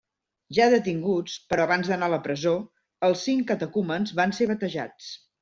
Ja detinguts, però abans d'anar a la presó, els cinc catecúmens van ser batejats.